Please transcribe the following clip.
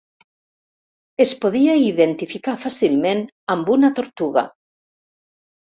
Es podia identificar fàcilment amb una tortuga.